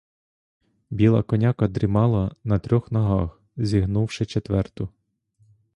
Біла коняка дрімала на трьох ногах, зігнувши четверту.